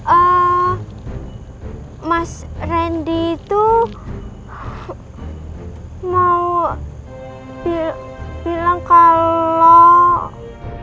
eh mas randy itu mau bilang kalau